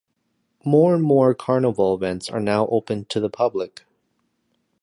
More and more Carnival events are now open to the public.